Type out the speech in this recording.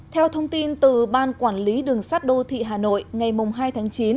theo thông tin từ ban quản lý đường sát đô thị hà nội ngày hai tháng chín